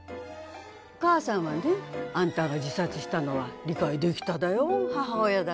お母さんはねあんたが自殺したのは理解できただよ母親だで。